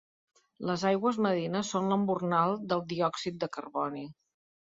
Les aigües marines són l'embornal del diòxid de carboni.